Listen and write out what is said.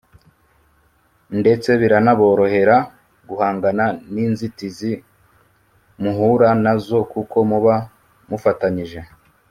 ndetse biranaborohera guhangana n’inzitizi muhura na zo kuko muba mufatanyije